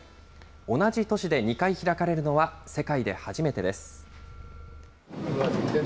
同じ都市で２回開かれるのは、世界で初めてです。